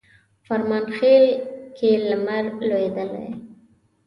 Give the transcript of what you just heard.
فرمانخیل کښي لمر لوېدلی